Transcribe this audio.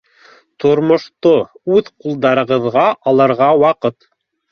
Тормошто үҙ ҡулдарығыҙға алырға ваҡыт